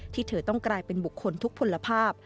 เธอต้องกลายเป็นบุคคลทุกผลภาพ